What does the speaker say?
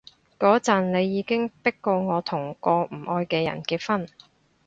嗰陣你已經迫過我同個唔愛嘅人結婚